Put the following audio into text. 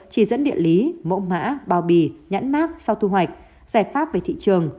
chỉ dẫn địa lý mẫu mã bao bì nhãn mát sau thu hoạch giải pháp về thị trường